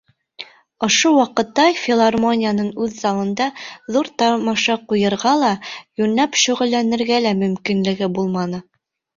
Ошо ваҡытта филармонияның үҙ залында ҙур тамаша ҡуйырға ла, йүнләп шөғөлләнергә лә мөмкинлеге булманы.